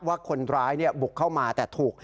ว่าคนร้ายบุกเข้ามาแต่ถูก